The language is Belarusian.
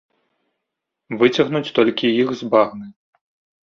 Выцягнуць толькі іх з багны.